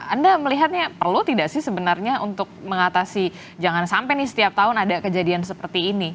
anda melihatnya perlu tidak sih sebenarnya untuk mengatasi jangan sampai nih setiap tahun ada kejadian seperti ini